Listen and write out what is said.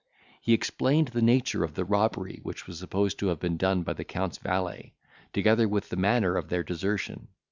He explained the nature of the robbery which was supposed to have been done by the Count's valet, together with the manner of their desertion.